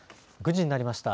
９時になりました。